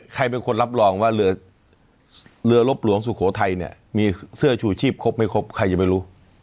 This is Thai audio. ใครเป็นคนรับรองว่าเรือเรือลบหลวงสุโขทัยเนี่ยมีเสื้อชูชีพครบไม่ครบใครจะไม่รู้